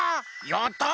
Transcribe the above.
やった！